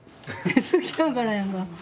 好きやからやんか。